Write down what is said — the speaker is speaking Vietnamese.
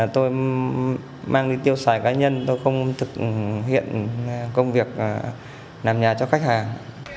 tôi mang đi tiêu xài cá nhân tôi không thực hiện công việc làm nhà cho khách hàng